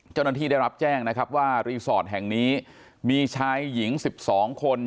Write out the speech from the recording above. เจ้าหน้าที่ได้รับแจ้งนะครับว่ารีสอร์ทแห่งนี้มีชายหญิง๑๒คน